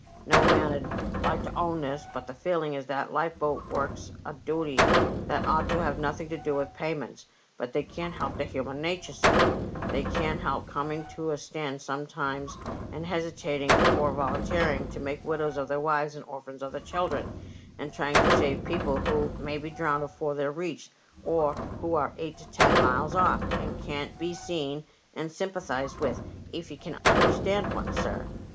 No man 'ud like to own this ; the feeling is that lifeboat work's a duty that ought to have nothing to do with payments. But they can't help their human natur', sir ; they can't help coming to a stand sometimes and hesitating afore volunteering to make widows of their wives and orphans of their children, in trying to save people who may be drownded afore they're reached, or who are eight or ten miles off and can't be seen and LIFEBOATS AND THEIR 0REW8. 171 sympathized with, if ye can understand one, sir.